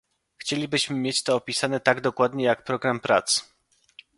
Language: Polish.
Chcielibyśmy mieć to opisane tak dokładnie jak program prac